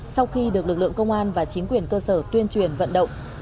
sau khi được lực lượng công an và chính quyền cơ sở tuyên truyền vận động